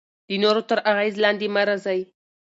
د نورو تر اغیز لاندې مه راځئ.